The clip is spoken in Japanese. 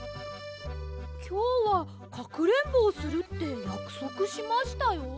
きょうはかくれんぼをするってやくそくしましたよ！